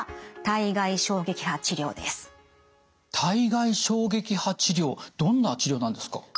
体外衝撃波治療どんな治療なんですか？